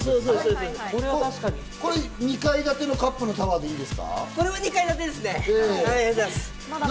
これは２階建てのカップのタワーでいいですか？